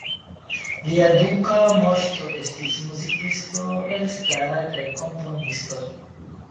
Lia duka moŝto estis muzikisto elstara kaj komponisto.